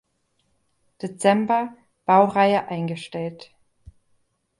Dezember: Baureihe eingestellt.